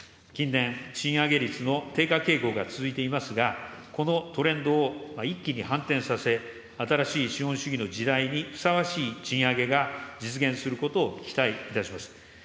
近年、賃上げ率の低下傾向が続いていますが、このトレンドを一気に反転させ、新しい資本主義の時代にふさわしい賃上げが実現することを期待いたします。